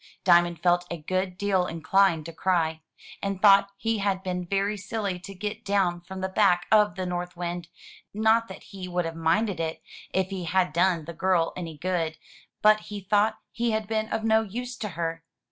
Diamond felt a good deal inclined to cry, and thought he had been very silly to get down from the back of the North Wind; not that he would have minded it if he had done the girl any good; but he thought he had been of no use to her.